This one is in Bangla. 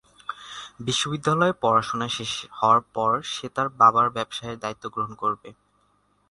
বিশ্ববিদ্যালয়ের পড়াশোনা শেষ হওয়ার পর সে তার বাবার ব্যবসায়ের দায়িত্ব গ্রহণ করবে।